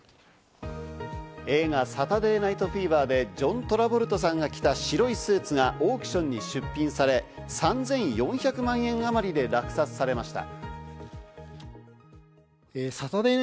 映画『サタデー・ナイト・フィーバー』でジョン・トラボルタさんが着た白いスーツがオークションに出品され、３４００万円あまりで落札されました。